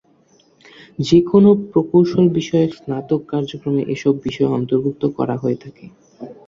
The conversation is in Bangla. যেকোনো প্রকৌশল বিষয়ক স্নাতক কার্যক্রমে এসব বিষয় অন্তর্ভুক্ত করা হয়ে থাকে।